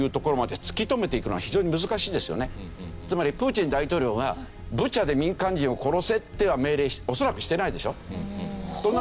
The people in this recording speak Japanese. つまりプーチン大統領は「ブチャで民間人を殺せ」とは命令恐らくしてないでしょ。